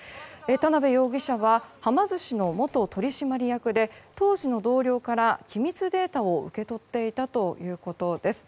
田邊容疑者ははま寿司の元取締役で当時の同僚から機密データを受け取っていたということです。